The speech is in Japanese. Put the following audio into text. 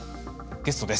ゲストです。